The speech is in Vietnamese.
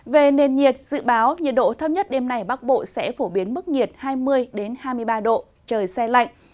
về nền nhiệt dự báo nhiệt độ thấp nhất đêm nay bắc bộ sẽ phổ biến mức nhiệt hai mươi hai mươi ba độ trời xe lạnh